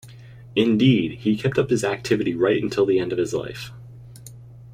Indeed, he kept up this activity right until the end of his life.